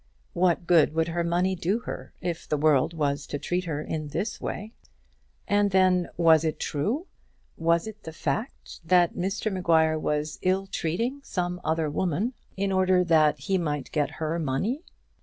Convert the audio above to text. What good would her money do her, if the world was to treat her in this way? And then, was it true? Was it the fact that Mr Maguire was ill treating some other woman in order that he might get her money?